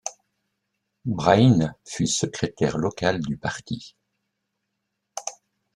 Breyne fut secrétaire local du parti.